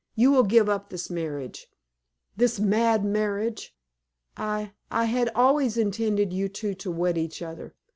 You will give up this marriage this mad marriage? I I had always intended you two to wed each other.